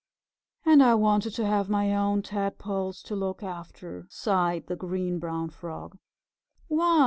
"And I wanted to have my own Tadpoles to look after," sighed the Green Brown Frog. "Why?"